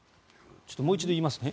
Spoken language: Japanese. ちょっともう一度言いますね。